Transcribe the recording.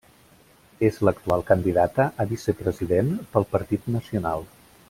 És l'actual candidata a vicepresident pel Partit Nacional.